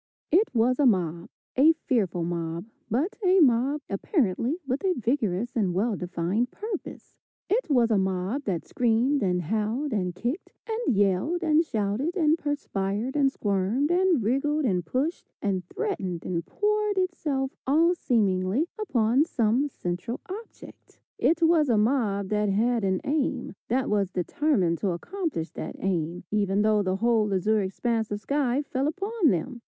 It was a mob, a fearful mob, but a mob apparently with a vigorous and well defined purpose. It was a mob that screamed and howled, and kicked, and yelled, and shouted, and perspired, and squirmed, and wriggled, and pushed, and threatened, and poured itself all seemingly upon some central object. It was a mob that had an aim, that was determined to accomplish that aim, even though the whole azure expanse of sky fell upon them.